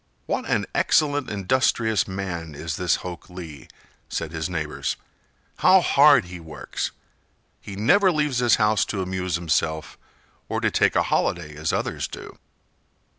"What an excellent, industrious man is this Hok Lee!" said his neighbors. "How hard he works! He never leaves his house to amuse himself or to take a holiday as others do!"